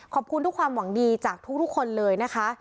ขอบคุณทุกความหวังดีจากทุกคนเลยนะคะ